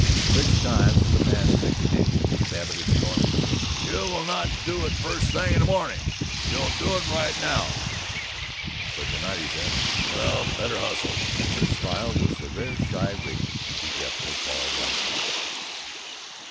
"Well " Six times in the past sixty days Babbitt had stormed, "You will not 'do it first thing in the morning'! You'll do it right now!" but to night he said, "Well, better hustle," and his smile was the rare shy radiance he kept for Paul Riesling.